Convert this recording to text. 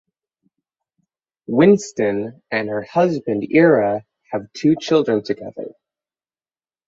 Winston and her husband Ira have two children together.